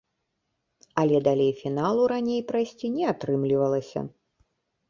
Але далей фіналу раней прайсці не атрымлівалася.